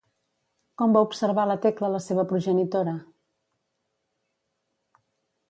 Com va observar la Tecla la seva progenitora?